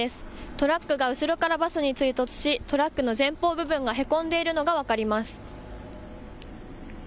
トラックが後ろからバスに追突しトラックの前方部分がへこんでいるのが分かります。